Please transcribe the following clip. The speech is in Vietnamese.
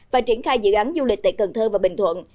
và triển khai dự án du lịch tại cần thơ và bình thuận